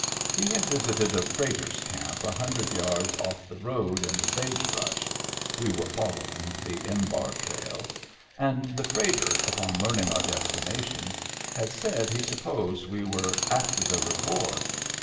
He had visited a freighter's camp, a Digitized by Google 144 MEMBERS OF THE FAMILY hundred yards off the road in the sage brush (we were following the Embar trail), and the freighter, upon learning our destination, had said he sup posed we were "after the reward."